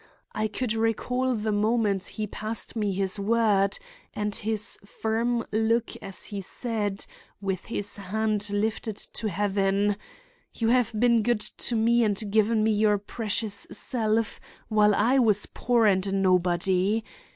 I could recall the moment he passed me his word, and his firm look as he said, with his hand lifted to Heaven 'You have been good to me and given me your precious self while I was poor and a nobody.